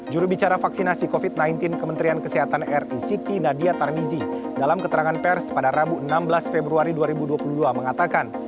jurubicara vaksinasi covid sembilan belas kementerian kesehatan ri siti nadia tarmizi dalam keterangan pers pada rabu enam belas februari dua ribu dua puluh dua mengatakan